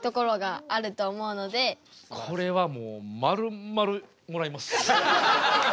これはもうまるまるもらいます。